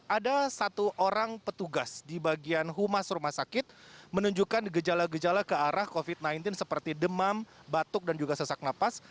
ada satu orang petugas di bagian humas rumah sakit menunjukkan gejala gejala ke arah covid sembilan belas seperti demam batuk dan juga sesak napas